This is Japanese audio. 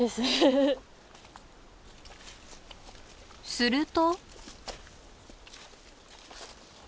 すると。